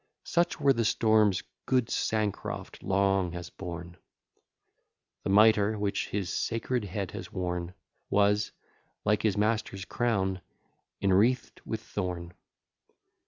Such were the storms good Sancroft long has borne; The mitre, which his sacred head has worn, Was, like his Master's Crown, inwreath'd with thorn.